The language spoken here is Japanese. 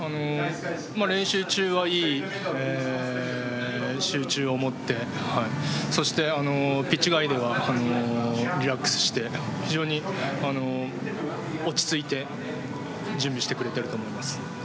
練習中はいい集中を持ってそして、ピッチ外ではリラックスして非常に落ち着いて準備してくれていると思います。